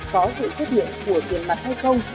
có sự xuất hiện của tiền mặt hay không